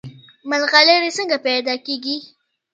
ملغلرې څنګه پیدا کیږي؟